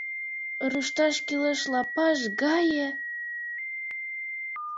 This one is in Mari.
Рушташ кӱлеш лапаш гае...